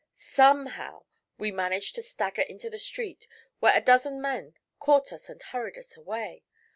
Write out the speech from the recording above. Somehow we managed to stagger into the street, where a dozen men caught us and hurried us away.